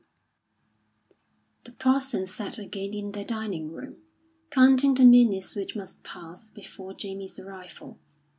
II The Parsons sat again in their dining room, counting the minutes which must pass before Jamie's arrival.